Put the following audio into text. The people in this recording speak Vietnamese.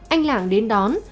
anh lạng đến đón